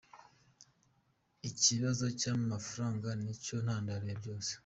Ikibazo cy’amafaranga nicyo ntandaro ya byose.